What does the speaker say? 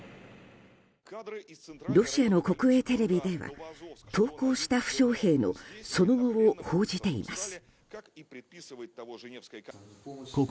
ロシアの国営テレビでは投降した負傷兵のその後を報じています。